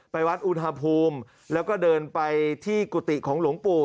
ไปวัดอุณหภูมิแล้วก็เดินไปที่กุฏิของหลวงปู่